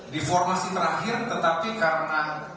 di formasi terakhir tetapi karena